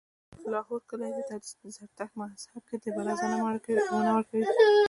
لاهور کلی دی، دا د زرتښت مذهب کې د عبادت ځای معنا ورکوي